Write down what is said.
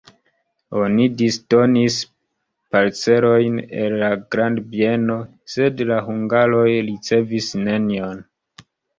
Oni disdonis parcelojn el la grandbieno, sed la hungaroj ricevis nenion.